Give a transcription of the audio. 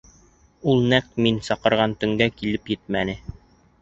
— Ул нәҡ мин саҡырған төнгә килеп етмәне.